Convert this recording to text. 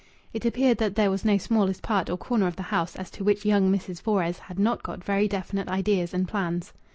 It appeared that there was no smallest part or corner of the house as to which young Mrs. Fores had not got very definite ideas and plans.